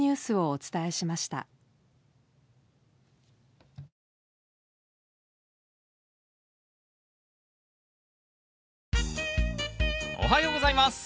おはようございます！